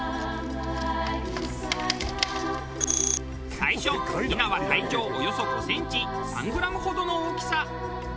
最初ひなは体長およそ５センチ３グラムほどの大きさ。